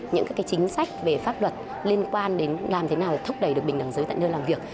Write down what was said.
những chính sách về pháp luật liên quan đến làm thế nào để thúc đẩy được bình đẳng giới tại nơi làm việc